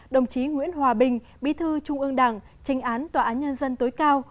đồng chí nguyễn hòa bình bí thư trung ương đảng tranh án tòa án nhân dân tối cao